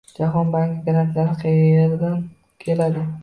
Jahon banki grantlari qayerdan keladi?